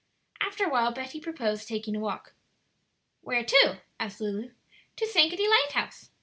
After a while Betty proposed taking a walk. "Where to?" asked Lulu. "To Sankaty Lighthouse."